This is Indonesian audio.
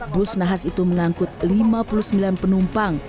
bus nahas itu mengangkut lima puluh sembilan penumpang